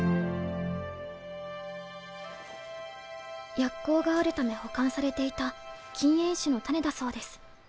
薬効があるため保管されていた近縁種の種だそうです。